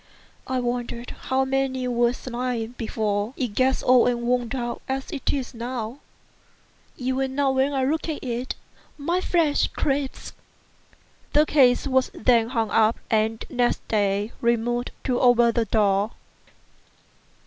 I wonder how many were slain before it got old and worn out as it is now. Even now when I look at it my flesh creeps." The case was then hung up, and next day removed to over the door.